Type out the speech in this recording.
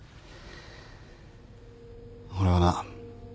俺はな